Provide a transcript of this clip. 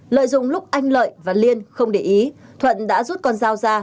lợi dụng lúc anh lợi và liên không để ý thuận đã rút con dao ra